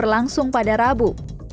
langsung pada rabu